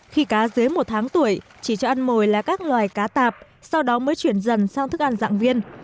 khi cá dưới một tháng tuổi chỉ cho ăn mồi là các loài cá tạp sau đó mới chuyển dần sang thức ăn dạng viên